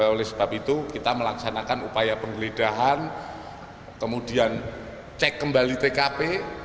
oleh sebab itu kita melaksanakan upaya penggeledahan kemudian cek kembali tkp